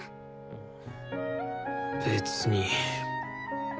別に。